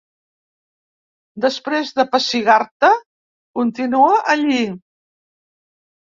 Després de pessigar-te continua allí.